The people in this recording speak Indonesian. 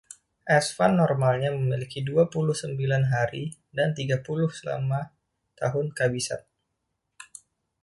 Esfand normalnya memiliki dua puluh sembilan hari, dan tiga puluh selama tahun kabisat.